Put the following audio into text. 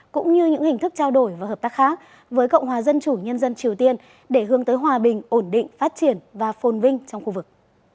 cũng như những hình thức trao đổi và hợp tác khác với cộng hòa dân chủ nhân dân triều tiên để hướng tới hòa bình ổn định phát triển và phôn vinh trong khu vực